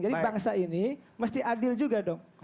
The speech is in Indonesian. jadi bangsa ini mesti adil juga dong